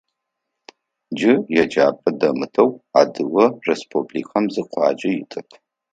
Джы еджапӏэ дэмытэу Адыгэ Республикэм зы къуаджэ итэп.